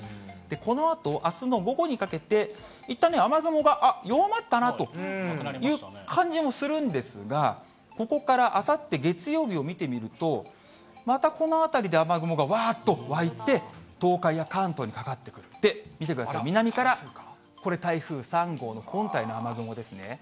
このあと、あすの午後にかけて、いったん、雨雲が弱まったなという感じもするんですが、ここからあさって月曜日を見てみると、またこの辺りで雨雲がわーっと湧いて、東海や関東にかかってくる、見てください、南からこれ、台風３号の本体の雨雲ですね。